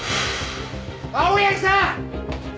青柳さん！